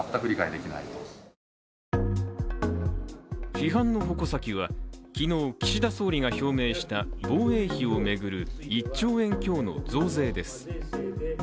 批判の矛先は、昨日、岸田総理が表明した防衛費を巡る１兆円強の増税です。